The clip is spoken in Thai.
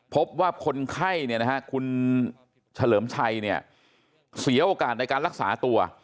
พบว่าคนไข้คุณเฉลิมชัยเนี่ยเสียโอกาสในการรักษาตัว